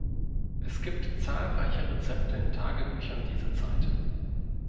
Es gibt zahlreiche Rezepte in Tagebüchern dieser Zeit.